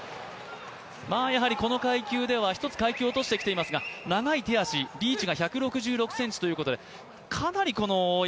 やはり、この階級では１つ階級を落としてきていますが長い手足、リーチが１６６ｃｍということで。